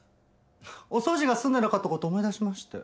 お掃除が済んでなかった事思い出しまして。